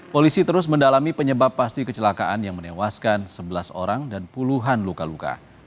polisi terus mendalami penyebab pasti kecelakaan yang menewaskan sebelas orang dan puluhan luka luka